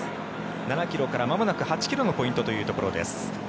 ７ｋｍからまもなく８ｋｍのポイントというところです。